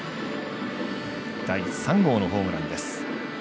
第３号のホームランです。